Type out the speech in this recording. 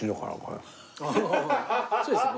そうですね。